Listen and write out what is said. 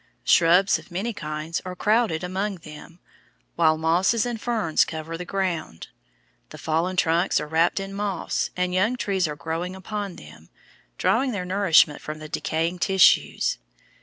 Shrubs of many kinds are crowded among them, while mosses and ferns cover the ground. The fallen trunks are wrapped in moss, and young trees are growing upon them, drawing their nourishment from the decaying tissues.